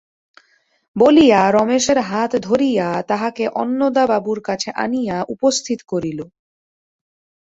বলিয়া রমেশের হাত ধরিয়া তাহাকে অন্নদাবাবুর কাছে আনিয়া উপস্থিত করিল।